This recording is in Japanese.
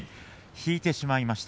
引いてしまいました。